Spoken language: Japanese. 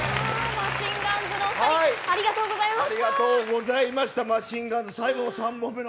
マシンガンズのお二人ありがとうございました。